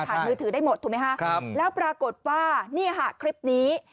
มือถือได้หมดถูกไหมฮะครับแล้วปรากฏว่านี่ค่ะคลิปนี้